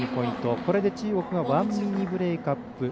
これで中国が１ミニブレークアップ。